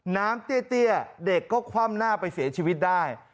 เตี้ยเด็กก็คว่ำหน้าไปเสียชีวิตได้